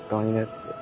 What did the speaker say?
って。